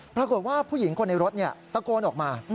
ปรากฏว่าผู้หญิงคนในรถตะโกนออกมา